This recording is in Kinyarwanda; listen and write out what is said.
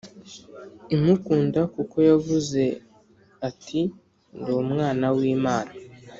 imukunda kuko yavuze ati Ndi Umwana w Imana